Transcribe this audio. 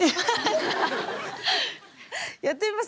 やってみます？